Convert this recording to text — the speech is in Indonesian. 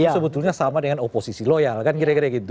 sebetulnya sama dengan oposisi loyal kan kira kira gitu